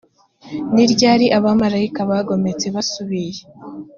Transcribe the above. ni ryari abamarayika bigometse basubiye